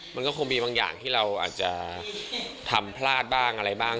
มันก็คงมีบางอย่างที่เราอาจจะทำพลาดบ้างอะไรบ้าง